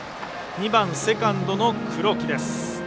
２番、セカンドの黒木です。